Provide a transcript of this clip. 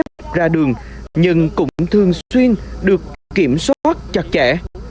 một số trường hợp được phép ra đường nhưng cũng thường xuyên được kiểm soát chặt chẽ